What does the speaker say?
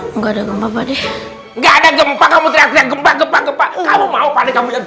enggak ada gempa gempa kamu tidak ada gempa gempa kamu mau kamu mau kamu mau